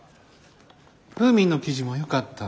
フーミンの記事もよかった。